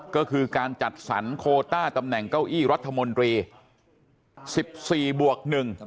ก็คือการจัดสรรโคต้าตำแหน่งเก้าอี้รัฐมนตรี๑๔บวก๑